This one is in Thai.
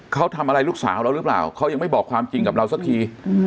เขาทำอะไรลูกสาวเราหรือเปล่าเขายังไม่บอกความจริงกับเราสักที